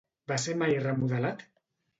Va ser mai remodelat?